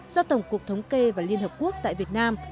do tổng cục thống kê và liên hợp quốc tại việt nam